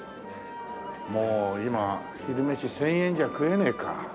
もう今昼飯１０００円じゃ食えねえか。